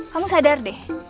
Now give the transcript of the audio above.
kamu sadar deh